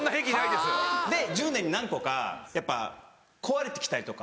で１０年に何個かやっぱ壊れて来たりとか。